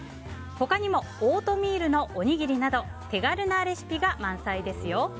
他にもオートミールのおにぎりなど手軽なレシピが満載ですよ。